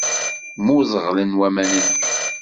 Mmuẓeɣlen waman-nni.